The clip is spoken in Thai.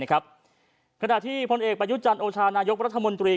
ขณะที่พลเอกประยุจันทร์โอชานายกรัฐมนตรี